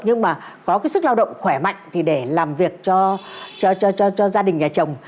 nhưng mà có cái sức lao động khỏe mạnh thì để làm việc cho gia đình nhà chồng